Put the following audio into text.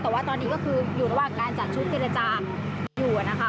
แต่ว่าตอนนี้ก็คืออยู่ระหว่างการจัดชุดเจรจาอยู่นะคะ